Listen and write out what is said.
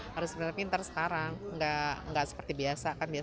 harus pinter pinter sekarang nggak seperti biasa kan